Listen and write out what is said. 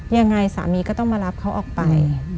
ยังไงสามีก็ต้องมารับเขาออกไป